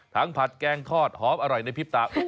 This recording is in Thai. ผัดแกงทอดหอมอร่อยในพริบตา